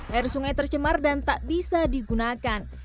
air sungai tercemar dan tak bisa digunakan